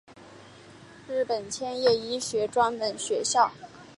日本千叶医学专门学校毕业。